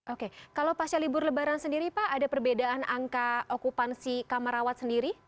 oke kalau pasca libur lebaran sendiri pak ada perbedaan angka okupansi kamar rawat sendiri